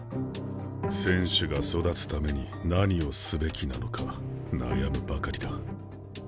選手が育つために何をすべきなのか悩むばかりだ。